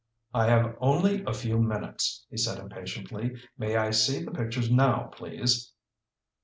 "I have only a few minutes," he said impatiently. "May I see the pictures now, please?"